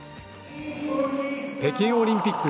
北京オリンピック